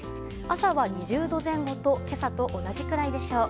朝は２０度前後と今朝と同じくらいでしょう。